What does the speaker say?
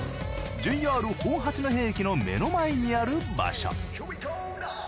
ＪＲ本八戸駅の目の前にある場所。